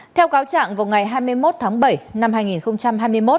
theo cáo trạng vào ngày hai mươi một tháng bảy năm hai nghìn chín